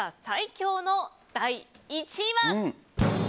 最強の第１位は。